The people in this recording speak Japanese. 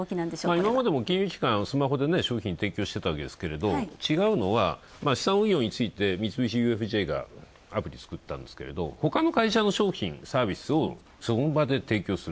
今までも金融機関、スマホで商品を提供してたわけですけれども、違うのは資産運用について三菱ＵＦＪがアプリを作ったんですけど、ほかの会社の商品、サービスをその場で提供する。